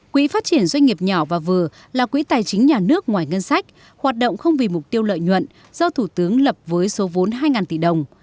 quỹ phát triển doanh nghiệp nhỏ và vừa là quỹ tài chính nhà nước ngoài ngân sách hoạt động không vì mục tiêu lợi nhuận do thủ tướng lập với số vốn hai tỷ đồng